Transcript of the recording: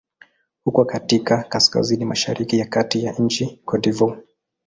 Uko katika kaskazini-mashariki ya kati ya nchi Cote d'Ivoire.